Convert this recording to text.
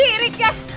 ini buat apa